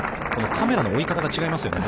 カメラの追い方が違いますよね。